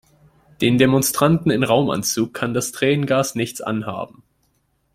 Den Demonstranten in Raumanzug kann das Tränengas nichts anhaben.